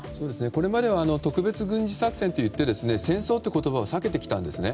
これまでは特別軍事作戦と言って戦争という言葉を避けてきたんですね。